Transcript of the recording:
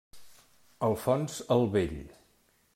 Alfons el Vell.